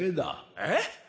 えっ？